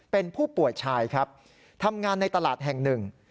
เป็นผู้ป่วยชายครับทำงานในตลาดแห่งหนึ่ง